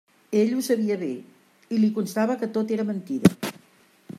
Ell ho sabia bé, i li constava que tot era mentida.